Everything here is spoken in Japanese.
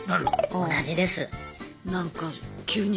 同じです。